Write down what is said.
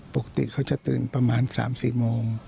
ปกติเขาจะตื่นประมาณ๓๔โมง